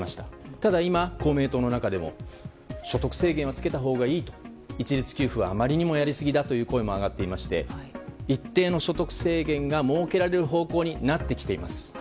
ただ今、公明党の中でも所得制限をつけたほうがいい一律給付はあまりにもやりすぎだという声も上がっていまして一定の所得制限が設けられる方向になってきています。